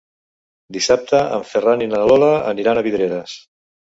Dissabte en Ferran i na Lola aniran a Vidreres.